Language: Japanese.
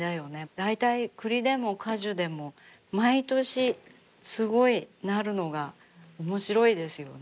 大体栗でも果樹でも毎年すごいなるのが面白いですよね。